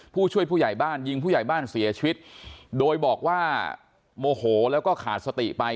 ผู้ช่วยผู้ใหญ่บ้านยิงผู้ใหญ่บ้านเสียชีวิตโดยบอกว่าโมโหแล้วก็ขาดสติไป